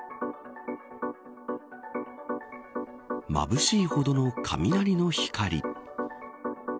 まぶしいほどの雷の光。